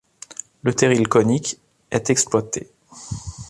Le terril conique est exploité.